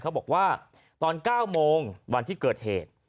เขาบอกว่าตอน๙โมงวันที่เกิดเหตุ